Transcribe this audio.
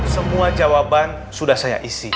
semua jawaban sudah saya isi